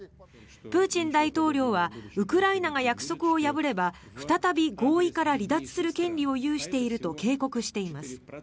プーチン大統領はウクライナが約束を破れば再び合意から離脱する権利を有していると警告しています。